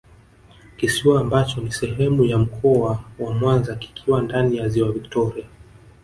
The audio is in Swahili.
kisiwa ambacho ni sehemu ya Mkoa wa Mwanza kikiwa ndani ya Ziwa Victoria